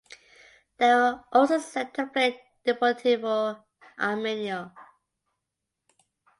They were also set to play Deportivo Armenio.